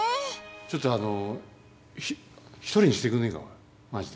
ちょっとあのひひとりにしてくんねえかマジで。